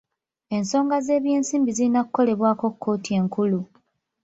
Ensonga z'ebyensimbi zirina kukolebwako kkooti enkulu.